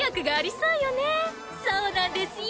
そうなんですよ。